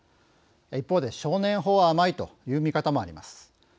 一方で「少年法は甘い」という見方もあります。